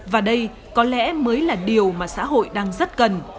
và đây có lẽ mới là điều mà xã hội đang rất cần